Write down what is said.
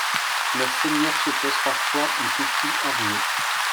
Leurs seigneurs s'opposent parfois en conflit armé.